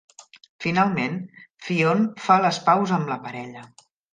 Finalment, Fionn fa les paus amb la parella.